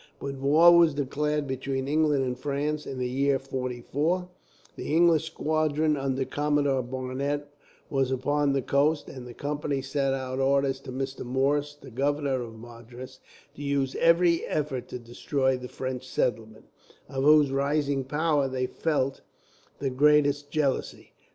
"When war was declared between England and France, in the year '44, the English squadron under Commodore Barnet was upon the coast, and the Company sent out orders to Mr. Morse, the governor of Madras, to use every effort to destroy the French settlement, of whose rising power they felt the greatest jealousy.